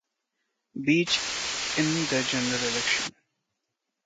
Beach in the general election.